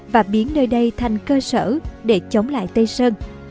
và biến nơi đây thành cơ sở để chống lại tây sơn